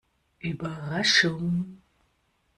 Überraschung!